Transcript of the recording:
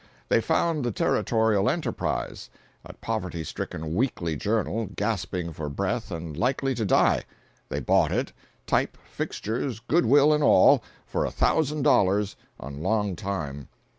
They found the Territorial Enterprise, a poverty stricken weekly journal, gasping for breath and likely to die. They bought it, type, fixtures, good will and all, for a thousand dollars, on long time.